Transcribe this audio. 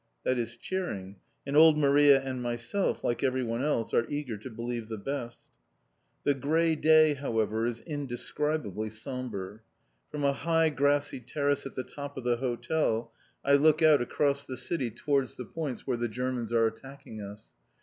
That is cheering. And old Maria and myself, like everyone else, are eager to believe the best. The grey day, however, is indescribably sombre. From a high, grassy terrace at the top of the hotel I look out across the city towards the points where the Germans are attacking us.